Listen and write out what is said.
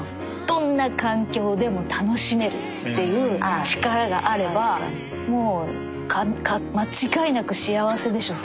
どんな環境でも楽しめるっていう力があればもう間違いなく幸せでしょ